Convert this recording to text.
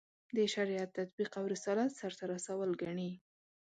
د شریعت تطبیق او رسالت سرته رسول ګڼي.